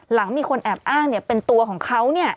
หลังมีคนแอบอ้างเนี่ยเป็นตัวของเขาเนี่ย